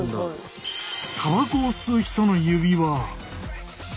たばこを吸う人の指は。